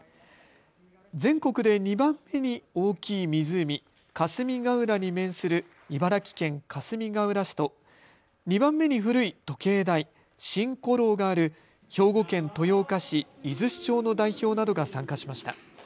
全国で２番目に大きい湖、霞ヶ浦に面する茨城県かすみがうら市と２番目に古い時計台、辰鼓楼がある兵庫県豊岡市出石町の代表などが参加しました。